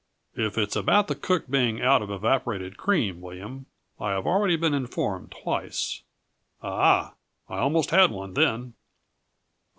"If it's about the cook being out of evaporated cream, William, I have already been informed twice. Ah h! I almost had one then!"